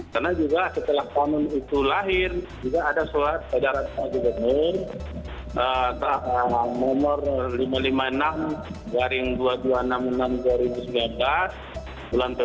karena juga setelah kanun itu lahir juga ada sosialisasi